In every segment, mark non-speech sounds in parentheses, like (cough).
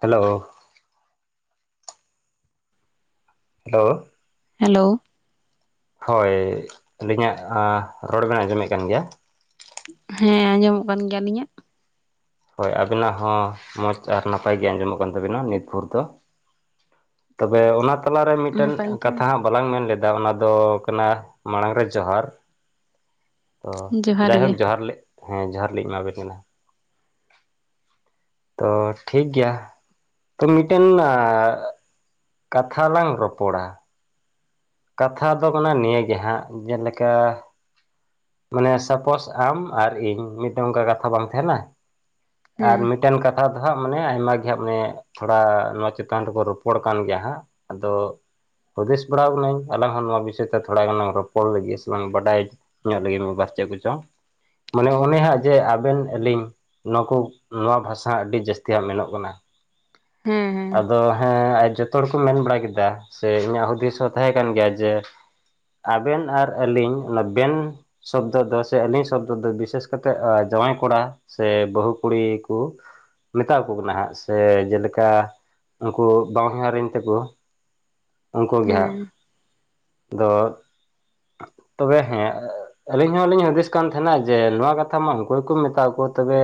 Hello hello hello ᱦᱳᱭ ᱟᱹᱞᱤᱧᱟᱜ ᱮᱸᱜ ᱨᱚᱲ ᱵᱮᱱ ᱟᱸᱡᱚᱢᱮᱫ ᱠᱟᱱ ᱜᱮᱭᱟ᱾ ᱦᱮᱸ ᱟᱸᱡᱚᱢᱚᱜ ᱠᱟᱱ ᱜᱮᱭᱟ ᱟᱞᱤᱧᱟᱜ᱾ ᱦᱳᱭ ᱟᱵᱤᱱᱟᱜ ᱦᱚᱸ ᱢᱚᱡᱽ ᱟᱨ ᱱᱟᱯᱟᱭ ᱜᱮ ᱟᱸᱡᱚᱢᱚᱜ ᱠᱟᱱ ᱛᱟᱵᱤᱱᱟ ᱱᱤᱛ ᱵᱷᱳᱨ ᱫᱚ᱾ ᱛᱚᱵᱮ ᱚᱱᱟ ᱛᱟᱞᱟᱨᱮ ᱢᱤᱫᱴᱮᱱ ᱱᱟᱯᱟᱭ ᱜᱮ ᱠᱟᱛᱷᱟ ᱦᱟᱸᱜ ᱵᱟᱞᱟᱝ ᱢᱮᱱ ᱞᱮᱫᱟ᱾ ᱚᱱᱟ ᱫᱚ ᱠᱟᱱᱟ ᱢᱟᱲᱟᱝ ᱨᱮ ᱡᱚᱦᱟᱨ ᱛᱚ ᱡᱚᱦᱟᱨ ᱜᱮ ᱡᱟᱭᱦᱳᱠ ᱡᱚᱦᱟᱨ ᱦᱮᱸ ᱡᱚᱦᱟᱨ ᱞᱤᱧ ᱮᱢᱟᱵᱮᱱ ᱠᱟᱱᱟ ᱛᱚ ᱴᱷᱤᱠ ᱜᱮᱭᱟ, ᱛᱚ ᱢᱤᱫ ᱴᱮᱱ ᱠᱟᱛᱷᱟ ᱞᱟᱝ ᱨᱚᱯᱚᱲᱟ, ᱠᱟᱛᱷᱟ ᱫᱚ ᱠᱟᱱᱟ ᱱᱤᱭᱟᱹᱜᱮ ᱦᱟᱸᱜ ᱡᱮᱞᱮᱠᱟ ᱢᱟᱱᱮ ᱥᱟᱯᱚᱥ ᱟᱢ ᱟᱨ ᱤᱧ ᱢᱤᱫᱴᱟᱝ ᱚᱱᱠᱟ ᱠᱟᱛᱷᱟ ᱵᱟᱝ ᱛᱟᱦᱮᱱᱟ ᱟᱨ ᱦᱮᱸ ᱢᱤᱫ ᱢᱤᱫᱴᱮᱱ ᱠᱟᱛᱷᱟ ᱫᱚ ᱦᱟᱸᱜ ᱢᱟᱱᱮ ᱟᱭᱢᱟ ᱜᱮ ᱦᱟᱸᱜ ᱢᱟᱱᱮ ᱛᱷᱚᱲᱟ ᱱᱚᱣᱟ ᱪᱮᱛᱟᱱ ᱨᱮᱵᱚ ᱨᱚᱯᱚᱲ ᱠᱟᱱ ᱜᱮᱭᱟ ᱦᱟᱸᱜ, ᱟᱫᱚ ᱦᱩᱫᱤᱥ ᱵᱟᱲᱟᱣ ᱟᱠᱟᱱᱟᱹᱧ, ᱟᱞᱟᱝ ᱦᱚᱸ ᱱᱚᱣᱟ ᱵᱤᱥᱚᱭ ᱛᱮ ᱛᱷᱚᱲᱟ ᱜᱟᱱ ᱞᱟᱝ ᱨᱚᱯᱚᱲ ᱞᱟᱹᱜᱤᱫ ᱥᱮᱞᱟᱝ ᱵᱟᱰᱟᱭ ᱧᱚᱜ ᱞᱟᱹᱜᱤᱫ ᱢᱤᱫ ᱵᱟᱨ ᱪᱮᱫ ᱠᱚᱪᱚᱝ, ᱢᱟᱱᱮ ᱚᱱᱮ ᱦᱟᱸᱜ ᱡᱮ ᱟᱵᱮᱱ ᱟᱹᱞᱤᱧ, ᱱᱚᱣᱟ ᱠᱩ ᱱᱚᱣᱟ ᱵᱷᱟᱥᱟ ᱟᱹᱰᱤ ᱡᱟᱹᱥᱛᱤ ᱦᱟᱸᱜ ᱢᱮᱱᱚᱜ ᱠᱟᱱᱟ, ᱦᱮᱸ ᱦᱮᱸ, ᱟᱫᱚ ᱦᱮᱸ ᱟᱡ ᱡᱚᱛᱚ ᱦᱚᱲ ᱠᱚ ᱢᱮᱱ ᱵᱟᱲᱟ ᱠᱮᱫᱟ ᱥᱮ ᱤᱧᱟᱹᱜ ᱦᱩᱫᱤᱥ ᱦᱚᱸ ᱛᱟᱦᱮᱸ ᱠᱟᱱ ᱜᱮᱭᱟ ᱡᱮ ᱟᱵᱮᱱ ᱟᱨ ᱟᱹᱞᱤᱧ ᱚᱱᱟ ᱵᱮᱱ, ᱥᱚᱵᱽᱫᱚ ᱫᱚ ᱥᱮ ᱟᱹᱞᱤᱧ ᱥᱚᱵᱽᱫᱚ ᱫᱚ ᱵᱤᱥᱮᱥ ᱠᱟᱛᱮᱫ ᱮ ᱡᱟᱶᱟᱭ ᱠᱚᱲᱟ, ᱥᱮ ᱵᱟᱹᱦᱩ ᱠᱩᱲᱤ ᱠᱚ ᱢᱮᱛᱟ ᱠᱚ ᱠᱟᱱᱟ ᱦᱟᱸᱜ ᱥᱮ ᱡᱮᱞᱮᱠᱟ ᱩᱱᱠᱩ ᱵᱟᱦᱚᱸᱧᱦᱟᱨᱤᱧ ᱛᱮᱠᱚ ᱩᱱᱠᱩ ᱜᱮ ᱦᱮᱸ ᱦᱟᱸᱜ, ᱫᱚ ᱛᱚᱵᱮ ᱦᱮᱸ ᱟᱹᱞᱤᱧ ᱦᱚᱞᱤᱧ ᱦᱩᱫᱤᱥ ᱠᱟᱱ ᱛᱟᱦᱮᱸᱱᱟ ᱡᱮ ᱱᱚᱣᱟ ᱠᱟᱛᱷᱟ ᱢᱟ ᱚᱠᱚᱭ ᱠᱚᱢ ᱢᱮᱛᱟ ᱠᱚᱣᱟ ᱛᱚᱵᱮ,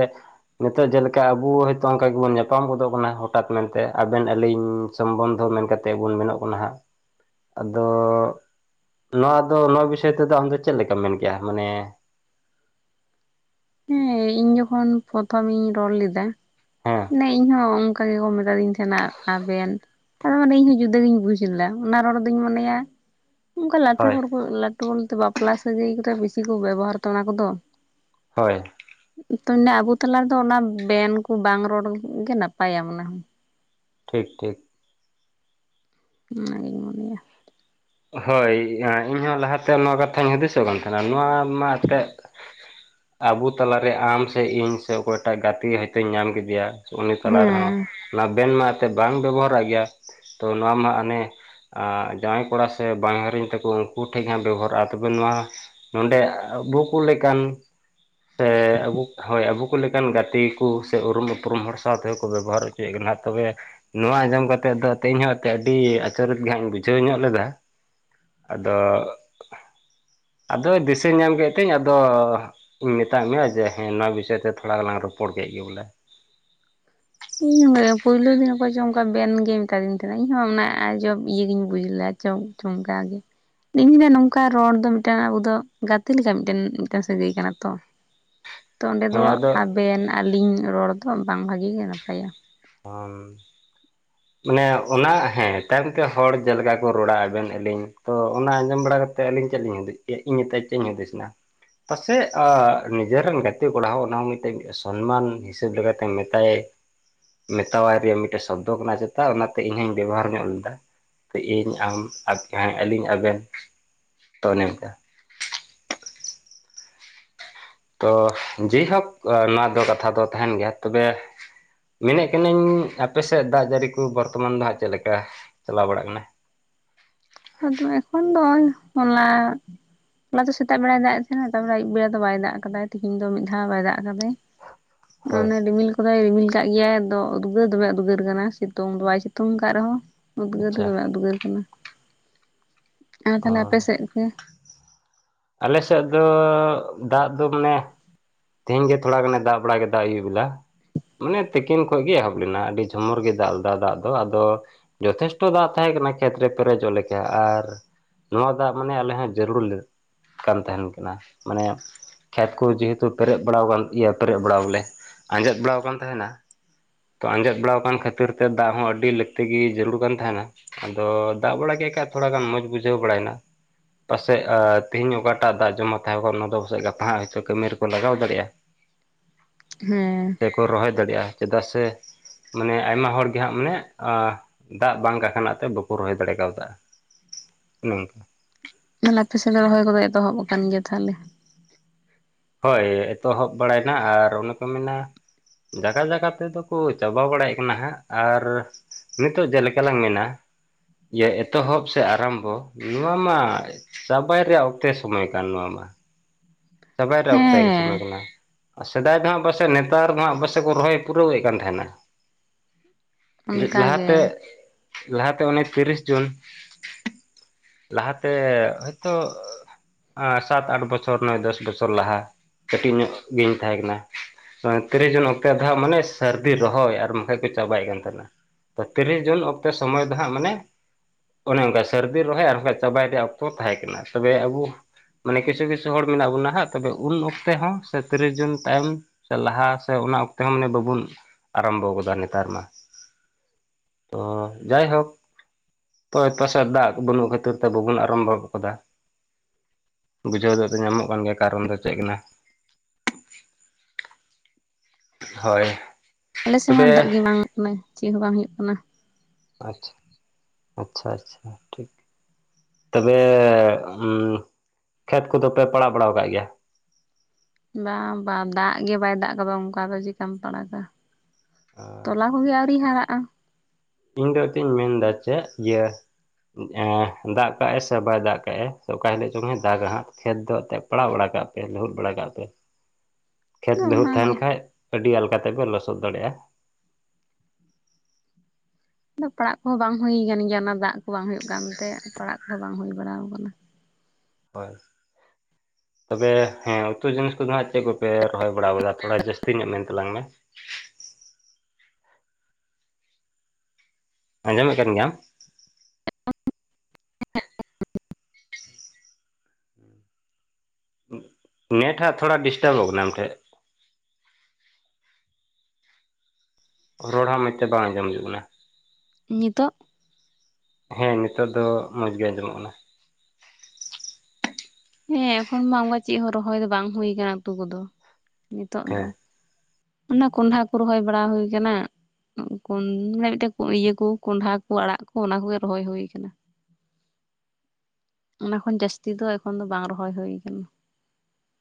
ᱱᱤᱛᱚᱜ ᱡᱮᱞᱮᱠᱟ ᱟᱵᱚᱩ ᱦᱚᱭ ᱛᱳ ᱚᱱᱠᱟ ᱜᱮᱵᱚᱱ ᱧᱟᱯᱟᱢ ᱜᱚᱫᱚᱜ ᱠᱟᱱᱟ ᱦᱚᱴᱟᱛ ᱢᱮᱱᱛᱮ ᱟᱵᱮᱱ ᱟᱹᱞᱤᱧ, ᱥᱚᱢᱵᱚᱱᱫᱷᱚ ᱢᱮᱱ ᱠᱟᱛᱮᱫ ᱵᱚᱱ ᱢᱮᱱᱚᱜ ᱠᱟᱱᱟ ᱦᱟᱸᱜ, ᱟᱫᱚ ᱱᱚᱣᱟ ᱫᱚ ᱱᱚᱣᱟ ᱵᱤᱥᱚᱭ ᱛᱮᱫᱚ ᱟᱢᱫᱚ ᱪᱮᱫ ᱞᱮᱠᱟᱢ ᱢᱮᱱ ᱠᱮᱭᱟ ᱢᱟᱱᱮ? ᱦᱮᱸ ᱤᱧ ᱡᱚᱠᱷᱚᱱ ᱯᱚᱨᱚᱛᱷᱚᱢ ᱤᱧ ᱨᱚᱲ ᱞᱮᱫᱟ, ᱦᱮᱸ ᱱᱮ ᱤᱧᱦᱚᱸ ᱚᱱᱠᱟ ᱜᱮᱠᱚ ᱢᱮᱛᱟ ᱫᱤᱧ ᱛᱟᱦᱮᱸᱱᱟ ᱟᱵᱮᱱ, ᱟᱫᱚ ᱢᱟᱱᱮ ᱤᱧᱦᱚᱸ ᱡᱩᱫᱟᱹ ᱜᱤᱧ ᱵᱩᱡᱽ ᱞᱮᱫᱟ ᱚᱱᱟ ᱨᱚᱲ ᱫᱚᱧ ᱢᱚᱱᱮᱭᱟ ᱚᱱᱠᱟ ᱞᱟᱹᱴᱩ ᱦᱳᱭ ᱦᱚᱲ ᱠᱚ ᱞᱟᱹᱴᱩ ᱵᱳᱞᱛᱮ ᱵᱟᱯᱞᱟ ᱥᱟᱹᱜᱟᱹᱭ ᱨᱮ ᱵᱤᱥᱤ ᱠᱚ ᱵᱮᱵᱚᱦᱟᱨ ᱮᱫᱟ ᱚᱱᱟ ᱠᱚᱫᱚ, ᱦᱳᱭ ᱛᱚ ᱟᱵᱚ ᱛᱟᱞᱟ ᱨᱮᱫᱚ ᱚᱱᱟ ᱵᱮᱱ ᱠᱚ ᱵᱟᱝ ᱨᱚᱲ ᱜᱮ ᱱᱟᱯᱟᱭᱟ ᱢᱟᱱᱮ ᱦᱚᱸ ᱴᱷᱤᱠ ᱴᱷᱤᱠ, ᱚᱱᱟᱜᱮᱧ ᱢᱚᱱᱮᱭᱟ, ᱦᱳᱭ ᱤᱧ ᱦᱚᱸ ᱞᱟᱦᱟᱛᱮ ᱱᱚᱣᱟ ᱠᱟᱛᱷᱟᱧ ᱦᱩᱫᱤᱥᱚᱜ ᱠᱟᱱ ᱛᱟᱦᱮᱸᱱᱟ, ᱱᱚᱣᱟ ᱢᱟ ᱛᱮᱫ ᱟᱵᱚ ᱛᱟᱞᱟ ᱨᱮ ᱟᱢ ᱥᱮ ᱤᱧ ᱥᱮ ᱚᱠᱚᱭ ᱴᱟᱜ ᱜᱟᱛᱮ ᱦᱚᱭ ᱛᱳᱧ ᱧᱟᱢ ᱠᱮᱫᱮᱭᱟ ᱩᱱᱤ ᱛᱟᱞᱟ ᱨᱮᱦᱚᱸ ᱦᱮᱸ ᱚᱱᱟ ᱵᱮᱱ ᱢᱟ ᱮᱛᱮ ᱵᱟᱝ ᱵᱮᱵᱚᱦᱟᱨᱚᱜ ᱜᱮᱭᱟ ᱛᱚ ᱱᱚᱣᱟ ᱢᱟ ᱦᱟᱱᱮ ᱟ ᱡᱟᱶᱟᱭ ᱠᱚᱲᱟ ᱥᱮ ᱥᱮ ᱵᱟᱸᱦᱚᱸᱧᱦᱟᱸᱨᱤᱧ ᱛᱟᱠᱚ ᱩᱱᱠᱩ ᱴᱷᱮᱱ ᱦᱟᱸᱜ ᱵᱮᱵᱚᱦᱟᱨᱚᱜᱼᱟ ᱛᱚᱵᱮ ᱱᱚᱣᱟ ᱱᱚᱸᱰᱮ ᱟᱵᱩ ᱠᱚ ᱞᱮᱠᱟᱱ, ᱥᱮ ᱟᱵᱩ ᱠᱩ ᱦᱳᱭ ᱟᱵᱚ ᱠᱩ ᱞᱮᱠᱟᱱ ᱜᱟᱛᱮ ᱠᱚ ᱥᱮ ᱩᱨᱩᱢ ᱩᱯᱨᱩᱢ ᱦᱚᱲ ᱥᱟᱶ ᱛᱮᱦᱚᱸ ᱠᱚ ᱵᱮᱵᱚᱦᱟᱨ ᱮᱫ ᱠᱚᱣᱟ, ᱪᱮᱫ ᱜᱷᱚᱱᱟᱜ ᱛᱚᱵᱮ ᱱᱚᱣᱟ ᱟᱸᱡᱚᱢ ᱠᱟᱛᱮᱫ ᱫᱚ ᱛᱮᱦᱮᱧ ᱱᱚᱜ-ᱚᱭ ᱟᱹᱰᱤ ᱟᱪᱚᱨᱮᱫ ᱜᱮ ᱦᱟᱸᱜ ᱤᱧ ᱵᱩᱡᱷᱟᱹᱣ ᱧᱚᱜ ᱞᱮᱫᱟ, ᱟᱫᱚ ᱟᱫᱚ ᱫᱤᱥᱟᱹ ᱧᱟᱢ ᱠᱮᱫ ᱛᱤᱧ ᱟᱫᱚ, ᱤᱧ ᱢᱮᱛᱟᱜ ᱢᱮᱭᱟ ᱡᱮ ᱦᱮᱸ ᱱᱚᱣᱟ ᱵᱤᱥᱚᱭ ᱛᱮ ᱛᱷᱚᱲᱟ ᱜᱟᱱ ᱞᱟᱝ ᱨᱚᱯᱚᱲ ᱠᱮᱫ ᱜᱮ ᱵᱚᱞᱮ, ᱤᱧ ᱦᱚ ᱚᱱᱠᱟ ᱜᱮ ᱯᱩᱭᱞᱳ ᱫᱤᱱ ᱚᱠᱚᱭ ᱪᱚᱝ ᱚᱱᱠᱟ ᱵᱮᱱ ᱜᱮᱭ ᱢᱮᱛᱟᱫᱤᱧ ᱛᱟᱦᱮᱸᱱᱟ ᱤᱧᱦᱚᱸ ᱚᱱᱟ ᱟᱡᱤᱵᱽ ᱤᱭᱟᱹ ᱜᱤᱧ ᱵᱩᱡᱽ ᱞᱮᱫᱟ ᱪᱚᱝ, ᱪᱚᱢᱠᱟᱣ ᱜᱮ, ᱤᱧ ᱫᱚ ᱱᱚᱝᱠᱟ ᱨᱚᱲ ᱫᱚ ᱢᱤᱫᱴᱟᱝ ᱟᱵᱚ ᱫᱚ ᱜᱟᱛᱮ ᱞᱮᱠᱟ ᱢᱤᱫᱴᱮᱱ ᱥᱟᱹᱜᱟᱹᱭ ᱠᱟᱱᱟ ᱛᱚ, (inaudible) ᱛᱚ ᱚᱸᱰᱮ ᱦᱮᱸ ᱫᱚ ᱟᱫᱚ ᱟᱵᱮᱱ ᱟᱹᱞᱤᱧ ᱨᱚᱲ ᱫᱚ ᱵᱟᱝ ᱵᱷᱟᱜᱮ ᱜᱮ ᱱᱟᱯᱟᱭᱟ, ᱠᱷᱚᱱ, ᱢᱟᱱᱮ ᱚᱱᱟ ᱦᱮᱸ ᱛᱟᱭᱚᱢ ᱛᱮ ᱦᱚᱲ ᱡᱮᱞᱮᱠᱟ ᱠᱚ ᱨᱚᱲᱟ ᱟᱵᱮᱱ ᱟᱹᱞᱤᱧ ᱛᱚ ᱚᱱᱟ ᱟᱸᱡᱚᱢ ᱵᱟᱲᱟ ᱠᱟᱛᱮᱫ, ᱱᱚᱛᱮ ᱟᱹᱞᱤᱧ ᱪᱮᱫ ᱞᱤᱧ ᱦᱩᱫᱤᱥ ᱤᱧ ᱱᱤᱛᱚᱜ ᱪᱮᱫ ᱤᱧ ᱦᱩᱫᱤᱥ ᱮᱱᱟ, ᱯᱟᱥᱮᱡ ᱱᱤᱡᱮᱨᱱ ᱜᱟᱛᱮ ᱠᱚᱲᱟ ᱦᱚᱸ ᱚᱱᱟ ᱦᱚᱸ ᱢᱤᱫᱴᱮᱱ ᱥᱚᱱᱢᱟᱱ ᱦᱤᱥᱟᱹᱵᱽ ᱞᱮᱠᱟᱛᱮᱢ ᱢᱮᱛᱟᱭᱮ, ᱢᱮᱛᱟᱣᱟᱭ ᱨᱮᱭᱟᱜ ᱢᱤᱫᱴᱟᱜ ᱥᱚᱵᱽᱫᱚ ᱠᱟᱱᱟ ᱪᱮᱛᱟᱜ ᱚᱱᱟᱛᱮ ᱤᱧ ᱦᱚᱸᱧ ᱵᱮᱵᱚᱦᱟᱨ ᱧᱚᱜ ᱞᱮᱫᱟ, ᱤᱧ ᱟᱢ ᱡᱟᱦᱟᱸ ᱟᱹᱞᱤᱧ ᱟᱵᱮᱱ ᱛᱚ ᱚᱱᱮ ᱚᱱᱠᱟ, ᱛᱚ ᱡᱮᱭ ᱦᱳᱠ ᱱᱚᱣᱟ ᱫᱚ ᱠᱟᱛᱷᱟ ᱫᱚ ᱛᱟᱦᱮᱱ ᱜᱮᱭᱟ ᱛᱚᱵᱮ, ᱢᱮᱱᱮᱫ ᱠᱟᱹᱱᱟᱹᱧ ᱟᱯᱮᱥᱮᱫ ᱫᱟᱜ ᱡᱟᱹᱲᱤ ᱠᱚ ᱵᱚᱨᱛᱚᱢᱟᱱ ᱫᱚ ᱦᱟᱸᱜ ᱪᱮᱫ ᱞᱮᱠᱟ ᱪᱟᱞᱟᱣ ᱵᱟᱲᱟᱜ ᱠᱟᱱᱟ᱾ ᱟ ᱮᱠᱷᱚᱱ ᱫᱚ ᱦᱚᱞᱟ ᱦᱚᱞᱟ ᱫᱚ ᱥᱮᱛᱟᱜ ᱵᱮᱲᱟᱭ ᱫᱟᱜ ᱛᱟᱦᱮᱱᱟ ᱱᱟᱨᱲᱟ ᱟᱹᱭᱩᱵ ᱵᱮᱲᱟ ᱫᱚ ᱵᱟᱭ ᱫᱟᱜ ᱟᱠᱟᱫᱟ ᱛᱤᱦᱤᱱ ᱫᱚ ᱢᱤᱫ ᱫᱷᱟᱣ ᱵᱟᱭ ᱫᱟᱷᱜ ᱠᱟᱫᱟᱭ (inaudible) ᱚᱱᱮ ᱨᱤᱢᱤᱞ ᱠᱚᱫᱚ ᱨᱤᱢᱤᱞ ᱠᱟᱜ ᱜᱮᱭᱟᱭ ᱟᱫᱚ ᱩᱫᱽᱜᱟᱹᱨ ᱫᱚᱢᱮ ᱩᱫᱽᱜᱟᱹᱨ ᱠᱟᱱᱟ ᱥᱤᱛᱩᱝ ᱫᱚ ᱵᱟᱭ ᱥᱤᱛᱩᱝ ᱟᱠᱟᱫ ᱨᱮᱦᱚᱸ ᱩᱫᱽᱜᱟᱹᱨ ᱫᱚ ᱟᱪᱪᱷᱟ ᱫᱚᱢᱮ ᱩᱫᱽᱜᱟᱹᱨ ᱠᱟᱱᱟ᱾ ᱟᱨ ᱚ ᱛᱟᱦᱚᱞᱮ ᱟᱯᱮ ᱥᱮᱫ ᱜᱮ ᱟᱞᱮ ᱥᱮᱫ ᱫᱚ ᱫᱟᱜ ᱫᱚ ᱢᱟᱱᱮ ᱛᱮᱦᱮᱧ ᱜᱮ ᱛᱷᱚᱲᱟ ᱜᱟᱱ ᱮ ᱫᱟᱜ ᱵᱟᱲᱟ ᱫᱟᱜ ᱠᱮᱜᱼᱟ ᱟᱹᱭᱩᱵ ᱵᱮᱞᱟ᱾ ᱢᱟᱱᱮ ᱛᱤᱠᱤᱱ ᱠᱷᱚᱱ ᱜᱮ ᱮᱦᱚᱵ ᱞᱮᱱᱟ ᱟᱹᱰᱤ ᱡᱷᱚᱢᱚᱨ ᱜᱮ ᱫᱟᱜ ᱞᱮᱫᱟ ᱫᱟᱜ ᱫᱚ ᱟᱫᱚ᱾ ᱡᱚᱛᱷᱮᱥᱴᱚ ᱫᱟᱜ ᱛᱟᱦᱮᱸ ᱠᱟᱱᱟ ᱠᱷᱮᱛᱨᱮ ᱯᱮᱨᱮᱡᱚᱜ ᱞᱮᱠᱟ ᱟᱨ ᱱᱚᱣᱟ ᱫᱟᱜ ᱢᱟᱱᱮ ᱟᱞᱮ ᱦᱚᱸ ᱡᱟᱹᱨᱩᱲ ᱞᱮᱫ ᱠᱟᱱ ᱛᱟᱦᱮᱱ ᱠᱟᱱᱟ ᱢᱟᱱᱮ ᱠᱷᱮᱛ ᱠᱚ ᱡᱮ ᱦᱮᱛᱩ ᱯᱮᱨᱮᱡ ᱵᱟᱲᱟᱣ ᱤᱭᱟ. ᱯᱮᱨᱮᱡ ᱵᱟᱲᱟ ᱵᱚᱞᱮ ᱟᱸᱡᱮᱫ ᱵᱟᱲᱟᱣ ᱟᱠᱟᱱ ᱛᱟᱦᱮᱱᱟ᱾ ᱛᱚ ᱟᱸᱡᱮᱫ ᱵᱟᱲᱟᱣ ᱟᱠᱟᱱ ᱠᱷᱟᱹᱛᱤᱨ ᱛᱮ ᱫᱟᱜ ᱦᱚᱸ ᱟᱹᱰᱤ ᱞᱟᱹᱠᱛᱤ ᱜᱮ ᱡᱟᱹᱨᱩᱲ ᱠᱟᱱ ᱛᱟᱦᱮᱱᱟ᱾ ᱟᱫᱚ ᱫᱟᱜ ᱵᱟᱲᱟ ᱠᱮᱫ ᱠᱷᱟᱱᱡ ᱛᱷᱚᱲᱟ ᱜᱟᱱ ᱢᱚᱸᱡᱽ ᱵᱩᱡᱷᱟᱹᱣ ᱵᱟᱲᱟᱭᱮᱱᱟᱺ ᱯᱟᱥᱮᱡ ᱛᱮᱦᱮᱧ ᱚᱠᱟᱴᱟᱜ ᱫᱟᱜ ᱡᱚᱢᱟ ᱛᱟᱦᱮᱸ ᱠᱚᱼᱟ ᱚᱱᱟ ᱫᱚ ᱯᱟᱥᱮᱡ ᱜᱟᱯᱟ ᱦᱟᱜ ᱦᱚᱪᱚ ᱠᱟᱹᱢᱤ ᱨᱮᱠ ᱠᱚ ᱞᱟᱜᱟᱣ ᱫᱟᱲᱮᱭᱟᱜᱼᱟ ᱦᱮᱸ ᱛᱮᱠᱚ ᱨᱚᱦᱚᱭ ᱫᱟᱲᱮᱭᱟᱜᱼᱟ ᱪᱮᱫᱟᱜ ᱥᱮ ᱢᱟᱱᱮ ᱟᱭᱢᱟ ᱦᱚᱲᱜᱮ ᱦᱟᱸᱜ ᱢᱟᱱᱮ ᱫᱟᱜ ᱵᱟᱝᱠᱷᱱᱟᱜ ᱛᱮ ᱵᱟᱠᱚ ᱨᱚᱦᱚᱭ ᱫᱟᱲᱮ ᱠᱟᱣᱫᱟ ᱱᱚᱝᱠᱟ (unintelligible) ᱟᱯᱮᱥᱮᱫ ᱫᱚ ᱨᱚᱦᱚᱭ ᱠᱚᱫᱚ ᱮᱛᱚᱦᱚᱵᱽ ᱠᱟᱱ ᱜᱮᱭᱟ ᱛᱟᱦᱞᱮ ᱦᱳᱭ ᱮᱛᱚᱦᱚᱵ ᱵᱟᱲᱟᱭᱮᱱᱟ ᱟᱨ ᱚᱱᱮ ᱠᱚ ᱢᱮᱱᱟ ᱡᱟᱜᱟ ᱡᱟᱜᱟ ᱛᱮᱫᱚ ᱠᱚ ᱪᱟᱵᱟ ᱵᱟᱲᱟᱭᱮᱫ ᱠᱟᱱᱟ ᱦᱟᱸᱜ ᱟᱨ ᱱᱤᱛᱚᱜ ᱡᱮᱞᱮᱠᱟᱞᱟᱝ ᱢᱮᱱᱟ ᱤᱭᱟᱹ ᱮᱛᱚᱦᱚᱵᱽ ᱥᱮ ᱟᱨᱟᱢᱵᱷᱚ ᱱᱚᱣᱟ ᱢᱟ ᱪᱟᱵᱟᱭ ᱨᱮᱭᱟᱜ ᱚᱠᱛᱮ ᱥᱚᱢᱚᱭ ᱠᱟᱱ ᱱᱚᱣᱟ ᱢᱟ᱾ ᱥᱚᱵᱟᱭ ᱴ ᱚᱠᱛᱮ ᱜᱮ ᱥᱚᱢᱚᱭ ᱦᱮᱸ ᱠᱟᱱᱟ ᱟᱨ ᱥᱮᱫᱟᱭ ᱫᱚᱜ ᱯᱟᱥᱮᱡ ᱱᱮᱛᱟᱨ ᱫᱚ ᱯᱟᱥᱮᱡ ᱠᱚ ᱨᱚᱦᱚᱭ ᱯᱩᱨᱟᱹᱣᱮᱫ ᱛᱟᱦᱮᱱᱟ᱾ ᱚᱱᱠᱟ ᱞᱟᱦᱟᱛᱮ ᱜᱮ ᱞᱟᱦᱟᱛᱮ ᱚᱱᱮ ᱛᱤᱨᱤᱥ ᱡᱩᱱ ᱞᱟᱦᱟᱛᱮ ᱦᱚᱭᱛᱚ ᱥᱟᱛ ᱟᱴ ᱵᱚᱪᱷᱚᱨ ᱱᱚᱭ ᱫᱚᱥ ᱫᱚᱥᱚᱨ ᱞᱟᱦᱟ ᱠᱟᱹᱴᱤᱡ ᱧᱚᱜ ᱜᱤᱧ ᱛᱟᱦᱮᱸ ᱠᱟᱱᱟ ᱛᱤᱨᱤᱥ ᱡᱚᱱ ᱚᱠᱛᱮ ᱫᱚ ᱦᱟᱸᱜ ᱢᱟᱱᱮ ᱥᱟᱹᱨᱫᱤ ᱨᱚᱦᱚᱭ ᱟᱨ ᱵᱟᱠᱷᱟᱡ ᱠᱚ ᱪᱟᱵᱟᱭᱮᱫ ᱠᱟᱱ ᱛᱟᱦᱮᱱᱟ᱾ ᱛᱚ ᱛᱤᱨᱤᱥ ᱡᱩᱱ ᱚᱠᱛᱮ ᱥᱚᱢᱚᱭ ᱫᱚ ᱦᱟᱸᱜ ᱢᱟᱱᱮ ᱚᱱᱮ ᱚᱱᱠᱟ ᱥᱟᱹᱨᱫᱤ ᱨᱚᱦᱚᱭ ᱟᱨ ᱪᱟᱵᱟᱭ ᱨᱮᱭᱟᱜ ᱚᱠᱛᱚ ᱛᱟᱦᱮᱸ ᱠᱟᱱᱟ ᱛᱚᱵᱮ ᱟᱵᱚ ᱢᱟᱱᱮ ᱠᱤᱪᱷᱩ ᱠᱤᱪᱷᱩ ᱦᱚᱲ ᱢᱮᱱᱟᱜ ᱵᱚᱱᱟ (unintelligible) ᱛᱚᱵᱮ ᱩᱱ ᱚᱠᱛᱮ ᱦᱚᱸ ᱥᱮ ᱛᱤᱨᱤᱥ ᱡᱩᱱ ᱛᱟᱭᱚᱢ ᱥᱮ ᱞᱟᱦᱟ ᱥᱮ ᱚᱱᱟ ᱚᱠᱛᱮ ᱦᱚᱸ ᱢᱟᱱᱮ ᱵᱟᱵᱩᱱ ᱟᱨᱟᱢᱵᱷᱚ ᱟᱠᱟᱫᱟ ᱱᱮᱛᱟᱨ ᱢᱟ ᱛᱚ ᱡᱟᱭᱦᱳᱠ ᱚᱭᱮ ᱯᱟᱥᱮ ᱫᱟᱜ ᱵᱟᱹᱱᱩᱜ ᱠᱷᱟᱹᱛᱤᱨ ᱛᱮ ᱵᱟᱵᱚᱱ ᱟᱨᱟᱢᱵᱷᱚ ᱟᱠᱟᱫᱟ᱾ ᱵᱩᱡᱷᱟᱹᱣ ᱫᱚ ᱫᱚ ᱧᱟᱢᱚᱜ ᱠᱟᱱ ᱜᱮᱭᱟ ᱠᱟᱨᱚᱱ ᱫᱚ ᱪᱮᱫ ᱠᱟᱱᱟ? ᱦᱳᱭ ᱟᱞᱮ ᱥᱮᱫ ᱢᱟ ᱛᱚᱵᱮ ᱫᱟᱜ ᱜᱮ ᱵᱟᱝ ᱠᱟᱱᱟ᱾ ᱪᱮᱫ ᱦᱚᱸ ᱵᱟᱝ ᱦᱩᱭᱩᱜ ᱠᱟᱱᱟ᱾ ᱟᱪᱷᱟ, ᱟᱪᱷᱟ ᱟᱪᱷᱟ ᱴᱷᱤᱠ ᱛᱚᱵᱮ ᱠᱷᱮᱛ ᱠᱚᱫᱚ ᱯᱮ ᱯᱟᱲᱟᱜ ᱵᱟᱲᱟᱣ ᱟᱠᱟᱫ ᱜᱮᱭᱟ᱾ ᱵᱟᱝ ᱵᱟᱝ ᱫᱟᱜ ᱜᱮ ᱵᱟᱭ ᱫᱟᱜ ᱠᱟᱫᱟ ᱚᱱᱠᱟ ᱫᱚ ᱪᱮᱠᱟᱢ ᱯᱟᱲᱟᱜᱟ᱾ ᱛᱚᱞᱟ ᱠᱚᱜᱮ ᱟᱹᱣᱨᱤᱧ ᱦᱟᱨᱟᱜᱼᱟ ᱤᱧ ᱫᱚ ᱮᱱᱛᱮᱫ ᱤᱧ ᱢᱮᱱ ᱮᱫᱟ ᱪᱮᱫ ᱤᱭᱟᱹ? ᱫᱟᱜ ᱠᱟᱜᱼᱟᱭ ᱥᱮ ᱵᱟᱭ ᱫᱟᱜ ᱠᱟᱭ ᱥᱮ ᱚᱠᱟ ᱦᱤᱞᱳᱜ ᱪᱚᱝᱮ ᱫᱟᱜᱟᱦᱟᱸᱜ ᱠᱷᱮᱛ ᱫᱚ ᱮᱱᱛᱮᱫ ᱯᱟᱲᱟᱣ ᱵᱟᱲᱟ ᱠᱟᱜ ᱯᱮ ᱞᱟᱹᱦᱩᱫ ᱵᱟᱲᱟ ᱠᱟᱜ ᱯᱮ ᱠᱷᱮᱛ ᱵᱤᱦᱩ ᱛᱟᱦᱮᱱ ᱚᱱᱟᱜᱮ ᱠᱷᱟ ᱟᱹᱰᱤ ᱟᱞᱠᱟ ᱛᱮᱯᱮ ᱞᱚᱥᱚᱫ ᱫᱟᱲᱮᱭᱟᱜᱼᱟ ᱟᱫᱚ ᱯᱟᱲᱟᱜ ᱠᱚᱦᱚᱸ ᱵᱟᱝ ᱦᱩᱭ ᱠᱟᱱ ᱜᱮᱭᱟ ᱚᱱᱟ ᱫᱟᱜ ᱠᱚ ᱵᱟᱝ ᱦᱩᱭᱩᱜ ᱠᱟᱱᱛᱮ ᱯᱟᱲᱟᱜ ᱠᱚᱦᱚᱸ ᱵᱟᱝ ᱦᱩᱭ ᱵᱟᱲᱟᱣ ᱟᱠᱟᱱᱟ᱾ ᱦᱳᱭ ᱛᱚᱵᱮ ᱦᱮᱸ ᱩᱛᱩ ᱡᱤᱱᱤᱥ ᱠᱚᱫᱚ ᱦᱟᱸᱜ ᱪᱮᱫ ᱠᱚᱯᱮ ᱨᱚᱦᱚᱭ ᱵᱟᱲᱟ ᱟᱠᱟᱫᱟ, ᱛᱷᱚᱲᱟ ᱡᱟᱹᱥᱛᱤ ᱧᱚᱜ ᱢᱮᱱ ᱛᱟᱞᱟᱝ ᱢᱮ? ᱟᱸᱡᱚᱢᱮᱫ ᱠᱟᱱ ᱜᱮᱭᱟᱢ ᱦᱮ (unintelligible) ᱱᱮᱴ ᱦᱟᱜ ᱛᱷᱚᱲᱟ ᱰᱤᱥᱴᱟᱵᱚᱜ ᱠᱟᱱᱟ, ᱟᱢᱴᱷᱮ ᱨᱚᱲ ᱦᱚᱸ ᱢᱚᱡᱽ ᱛᱮ ᱵᱟᱝ ᱟᱸᱡᱚᱢ ᱡ ᱠᱟᱱᱟ᱾ ᱱᱤᱛᱚᱜ ᱦᱮᱸ ᱱᱤᱛᱚᱜ ᱫᱚ ᱢᱚᱸᱡᱽ ᱜᱮ ᱟᱸᱡᱚᱢᱚᱜ ᱠᱟᱱᱟ ᱦᱮᱸ ᱮᱠᱷᱚᱱ ᱢᱟ ᱚᱱᱠᱟ ᱪᱮᱫ ᱦᱚᱸ ᱨᱚᱦᱚᱭ ᱫᱚ ᱵᱟᱝ ᱦᱩᱭ ᱠᱟᱱᱟ ᱩᱛ ᱠᱚᱫᱚ, ᱱᱤᱛᱚᱜ ᱫᱚ᱾ ᱦᱮᱸ ᱚᱱᱟ ᱠᱚᱸᱰᱦᱷᱟ ᱠᱚ ᱨᱚᱦᱚᱭ ᱵᱟᱲᱟ ᱦᱩᱭ ᱟᱠᱟᱱᱟ᱾ ᱢᱟᱱᱮ ᱢᱤᱫᱴᱮᱡ ᱤᱭᱟᱹ ᱠᱚ ᱠᱸᱰᱷᱟ ᱠᱚ ᱟᱲᱟᱜ ᱠᱚ ᱚᱱᱟ ᱠᱚᱜᱮ ᱨᱚᱦᱚᱭ ᱦᱩᱭ ᱟᱠᱟᱱᱟ᱾ (inaudible) ᱚᱱᱟ ᱠᱷᱚᱱ ᱡᱟᱹᱥᱛᱤ ᱫᱚ ᱮᱠᱷᱚᱱ ᱫᱚ ᱵᱟᱝ ᱨᱚᱦᱚᱭ ᱦᱩ ᱠᱟᱱᱟ᱾